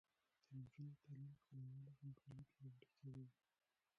د نجونو تعلیم کلیواله همکاري پیاوړې کوي.